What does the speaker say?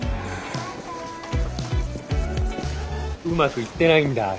うまくいってないんだ？